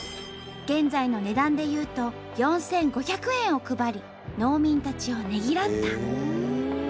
現在の値段でいうと４，５００円を配り農民たちをねぎらった。